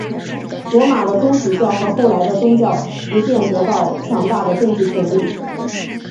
罗马的宗主教和后来的教宗逐渐得到强大的政治权力。